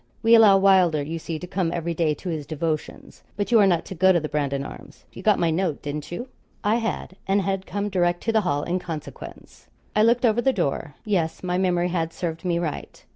We allow Wylder, you see, to come every day to his devotions. But you are not to go to the Brandon Arms you got my note, didn't you?' I had, and had come direct to the Hall in consequence. I looked over the door. Yes, my memory had served me right.